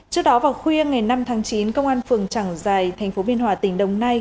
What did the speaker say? trước đó vào khuya ngày năm tháng chín công an phường trảng giài tp biên hòa tỉnh đồng nai